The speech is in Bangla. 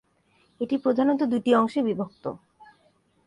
এটি প্রধানত দুটি অংশে বিভক্ত।